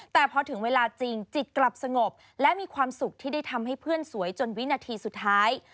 แต่พอถึงเวลาจริงจิตกลับสงบและมีความสุขที่ได้ทำให้เพื่อนสวยจนวินาทีสุดท้าย